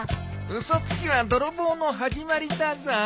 嘘つきは泥棒の始まりだぞ。